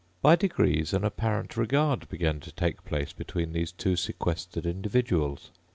By degrees an apparent regard began to take place between these two sequestered individuals.